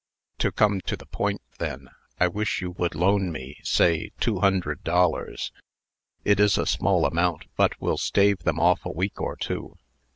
To come to the point, then, I wish you would loan me, say two hundred dollars. It is a small amount, but will stave them off a week or two."